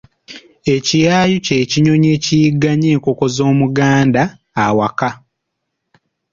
Ekiyaayu ky’ekinyonyi ekiyigganya enkoko z’Omuganda awaka.